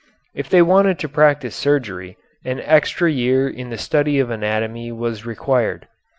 If they wanted to practise surgery, an extra year in the study of anatomy was required.